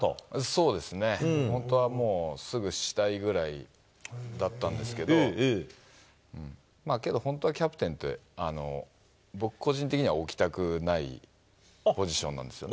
そうですね、本当はもう、すぐしたいぐらいだったんですけど、けど本当はキャプテンって僕個人的には、置きたくないポジションなんですよね。